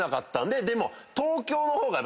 でも。